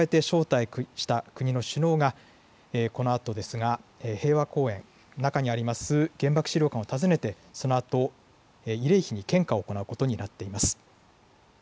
Ｇ７の首脳に加えて招待した国の首脳がこのあと平和公園の中にある原爆資料館を訪ねてそのあと慰霊碑に献花を行うことになっています。